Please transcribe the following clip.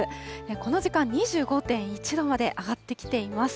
この時間２５．１度まで上がってきています。